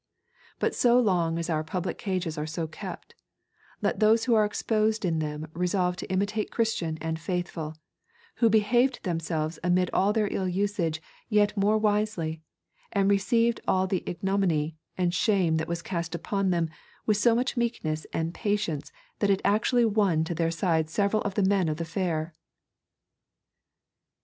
But so long as our public cages are so kept, let those who are exposed in them resolve to imitate Christian and Faithful, who behaved themselves amid all their ill usage yet more wisely, and received all the ignominy and shame that was cast upon them with so much meekness and patience that it actually won to their side several of the men of the fair.